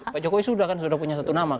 pak jokowi sudah kan sudah punya satu nama